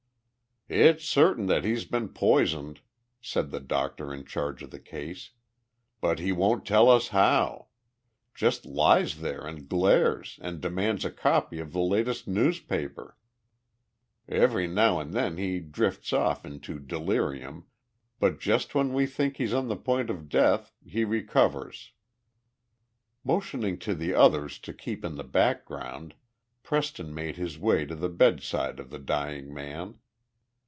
"It's certain that he's been poisoned," said the doctor in charge of the case, "but he won't tell us how. Just lies there and glares and demands a copy of the latest newspaper. Every now and then he drifts off into delirium, but just when we think he's on the point of death he recovers." Motioning to the others to keep in the background, Preston made his way to the bedside of the dying man.